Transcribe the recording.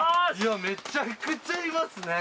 めちゃくちゃいますね。